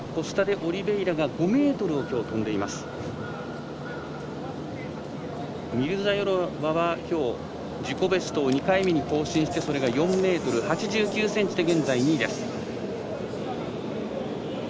ミルザヨロワは今日自己ベストを２回目に更新してそれが４ｍ８９ｃｍで現在２位です。